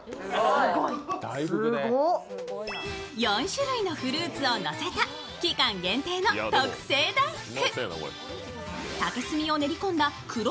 ４種類のフルーツをのせた、期間限定の特製大福。